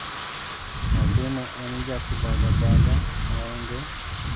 Nyathino en ja kibaga baga maonge.